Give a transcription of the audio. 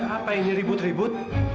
apa ini ribut ribut